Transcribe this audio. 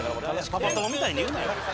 パパ友みたいに言うなよ。